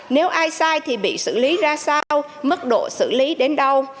nếu ai sai thì bị xử lý ra sao mức độ xử lý đến đâu